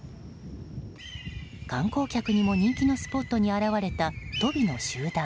観光客にも人気のスポットに現れたトビの集団。